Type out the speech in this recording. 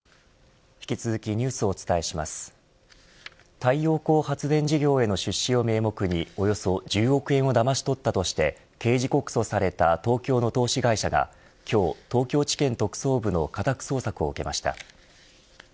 太陽光発電事業への出資を名目におよそ１０億円をだまし取ったとして刑事告訴された東京の投資会社が今日、東京地検特捜部の家宅捜索を受けました。